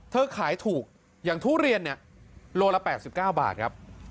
เธอขายถูกอย่างทุเรียนเนี้ยโลละแปดสิบเก้าบาทครับ